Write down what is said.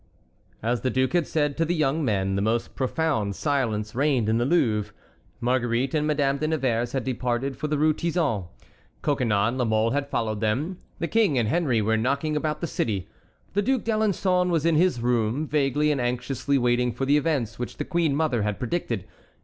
As the duke had said to the young men, the most profound silence reigned in the Louvre. Marguerite and Madame de Nevers had departed for the Rue Tizon. Coconnas and La Mole had followed them. The King and Henry were knocking about the city. The Duc d'Alençon was in his room vaguely and anxiously waiting for the events which the queen mother had predicted.